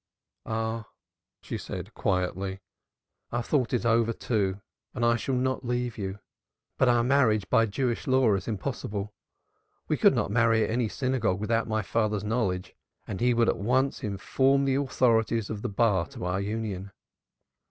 "Ah!" she said quietly. "I have thought it all over, too, and I shall not leave you. But our marriage by Jewish law is impossible; we could not marry at any synagogue without my father's knowledge; and he would at once inform the authorities of the bar to our union."